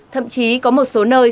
thậm chí có một số nơi